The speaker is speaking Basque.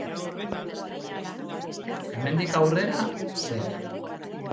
Hemendik aurrera, zer?